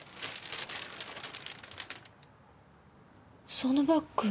そのバッグ。